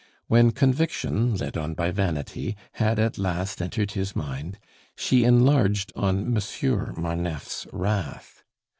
When conviction, led on by vanity, had at last entered his mind, she enlarged on Monsieur Marneffe's wrath.